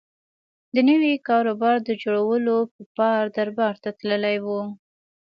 د نوي کاروبار د جوړولو په پار دربار ته تللی و.